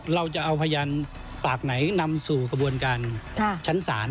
เราจะเอาพยานปากไหนนำสู่กระบวนการชั้นศาล